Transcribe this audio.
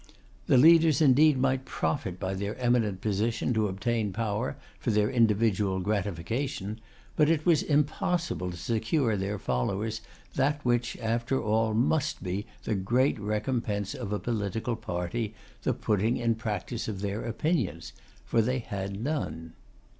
The leaders indeed might profit by their eminent position to obtain power for their individual gratification, but it was impossible to secure their followers that which, after all, must be the great recompense of a political party, the putting in practice of their opinions; for they had none.